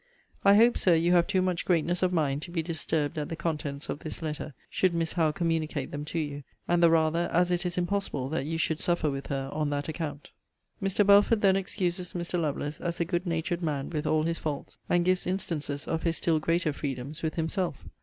I hope, Sir, you have too much greatness of mind to be disturbed at the contents of this letter, should Miss Howe communicate them to you; and the rather, as it is impossible that you should suffer with her on that account.' * See Vol. VII. Letter XXVIII. Mr. Belford then excuses Mr. Lovelace as a good natured man with all his faults; and gives instances of his still greater freedoms with himself.